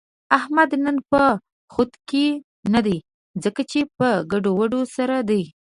احمد نن په خود کې نه دی، ځکه یې په ګډوډو سر دی.